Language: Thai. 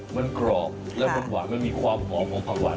มันกรอบแล้วมันหวานมันมีความหอมของผักหวาน